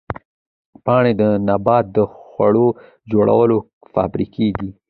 پاڼې د نبات د خوړو جوړولو فابریکې دي